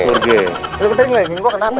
lu tadi ngeliatin gua kenapa